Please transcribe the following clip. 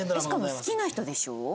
しかも好きな人でしょ？